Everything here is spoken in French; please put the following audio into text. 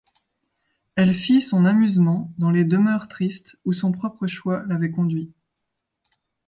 Elle fit son amusement dans les demeures tristes où son propre choix l'avait conduit.